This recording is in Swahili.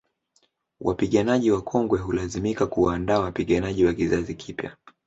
Wapiganaji wakongwe hulazimika kuwaandaa wapiganaji wa kizazi kipya